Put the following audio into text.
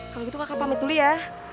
kalau gitu kakak pamit dulu ya